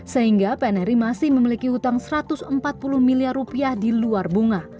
sehingga pnri masih memiliki hutang rp satu ratus empat puluh miliar rupiah di luar bunga